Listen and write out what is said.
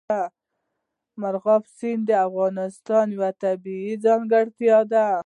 مورغاب سیند د افغانستان یوه طبیعي ځانګړتیا ده.